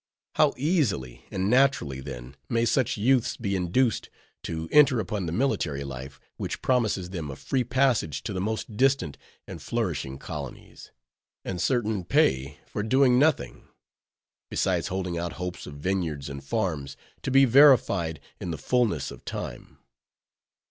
How easily and naturally, then, may such youths be induced to enter upon the military life, which promises them a free passage to the most distant and flourishing colonies, and certain pay for doing nothing; besides holding out hopes of vineyards and farms, to be verified in the fullness of time.